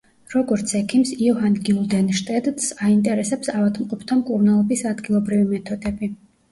როგორც ექიმს, იოჰან გიულდენშტედტს აინტერესებს ავადმყოფთა მკურნალობის ადგილობრივი მეთოდები.